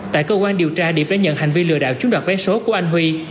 tại cơ quan điều tra điệp đã nhận hành vi lừa đảo chiếm đoạt vé số của anh huy